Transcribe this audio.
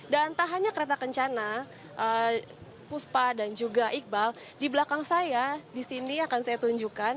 dan tak hanya kereta kencana puspa dan juga iqbal di belakang saya disini akan saya tunjukkan